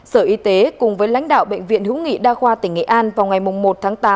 sở y tế cùng với lãnh đạo bệnh viện hữu nghị đa khoa tỉnh nghệ an vào ngày một tháng tám